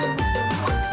kacau kata banget